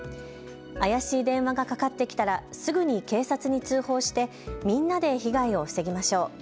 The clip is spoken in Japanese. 怪しい電話がかかってきたらすぐに警察に通報してみんなで被害を防ぎましょう。